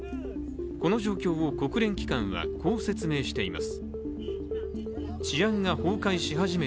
この状況を国連機関はこう説明しています。